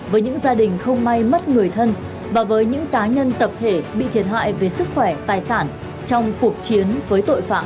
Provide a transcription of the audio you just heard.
với những gia đình không may mất người thân và với những cá nhân tập thể bị thiệt hại về sức khỏe tài sản trong cuộc chiến với tội phạm